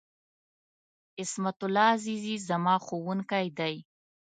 عصمت الله عزیزي ، زما ښوونکی دی.